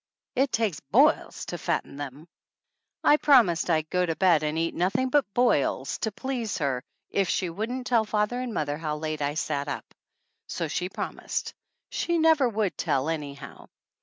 It takes boils to fat ten them !" I promised I'd go on to bed and eat nothing but "boils" to please her if she wouldn't tell father atid mother how late I sit up, so she promised. She never would tell anyhow.